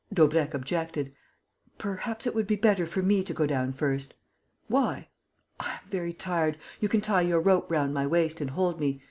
Daubrecq objected: "Perhaps it would be better for me to go down first." "Why?" "I am very tired. You can tie your rope round my waist and hold me....